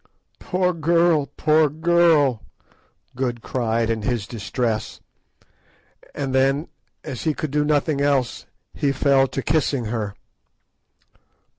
"Poor girl! poor girl!" Good cried in his distress; and then, as he could do nothing else, he fell to kissing her.